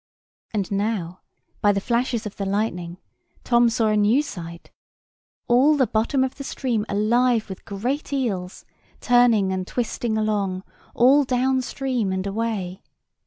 And now, by the flashes of the lightning, Tom saw a new sight—all the bottom of the stream alive with great eels, turning and twisting along, all down stream and away.